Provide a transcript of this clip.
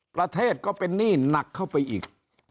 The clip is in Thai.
ประเทศก็เป็นหนี้หนักเข้าไปอีก